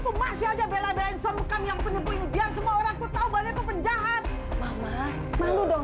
tuh masih aja bela belain suami kami yang penipu ini dia semua orang tahu bahwa penjahat malu dong